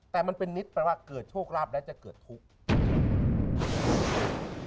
แต่มันเป็นนิดแปลว่าเกิดโชคลาภแล้วจะเกิดทุกข์